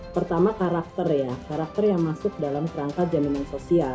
pertama karakter ya karakter yang masuk dalam kerangka jaminan sosial